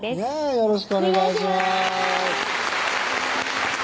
よろしくお願いします